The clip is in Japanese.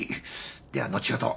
では後ほど。